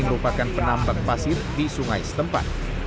merupakan penambang pasir di sungai setempat